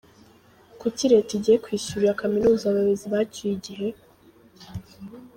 Kuki Leta igiye kwishyurira kaminuza abayobozi bacyuye igihe?.